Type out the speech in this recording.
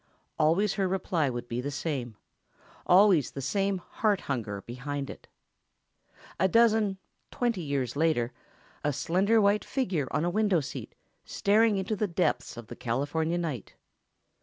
Always her reply would be the same—always the same heart hunger behind it. A dozen, twenty years later, a slender, white figure on a window seat, staring into the depths of the California night.